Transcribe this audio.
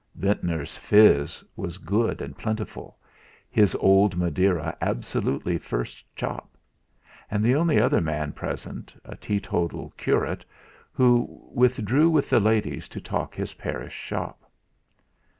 Ventnor's fizz was good and plentiful, his old Madeira absolutely first chop, and the only other man present a teetotal curate, who withdrew with the ladies to talk his parish shop.